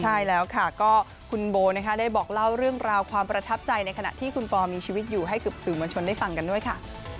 ใช่แล้วค่ะก็คุณโบนะคะได้บอกเล่าเรื่องราวความประทับใจในขณะที่คุณปอมีชีวิตอยู่ให้กับสื่อมวลชนได้ฟังกันด้วยค่ะ